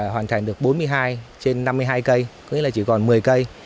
hoàn thành được bốn mươi hai trên năm mươi hai cây có nghĩa là chỉ còn một mươi cây